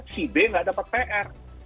si b nggak dapat pr